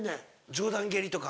上段蹴りとか。